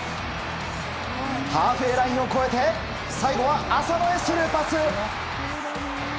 ハーフウェーラインを越えて最後は、浅野へスルーパス！